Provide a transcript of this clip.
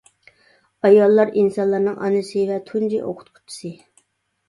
ئاياللار ئىنسانلارنىڭ ئانىسى ۋە تۇنجى ئوقۇتقۇچىسى.